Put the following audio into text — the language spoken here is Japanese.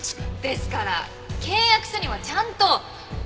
ですから契約書にはちゃんと！